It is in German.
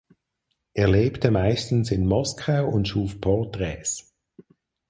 Er lebte meistens in Moskau und schuf Porträts.